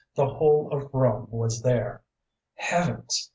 The whole of Rome was there." "Heavens!